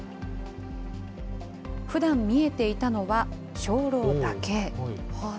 ふだん見えていたのは、鐘楼だけ。